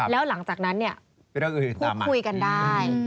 แล้วหลังจากนั้นเนี่ยพูดคุยกันได้